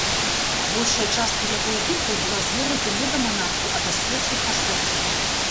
Большая частка яго эдыктаў была звернута не да манахаў, а да свецкіх асоб.